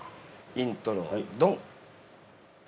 ◆イントロ、ドン！